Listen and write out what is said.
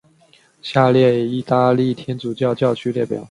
下列意大利天主教教区列表。